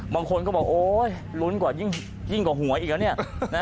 บางคนก็บอกโอ๊ยลุ้นกว่ายิ่งกว่าหัวอีกแล้วเนี่ย